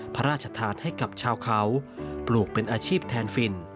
พระราชทานให้กับชาวเขาปลูกเป็นอาชีพแทนฟิน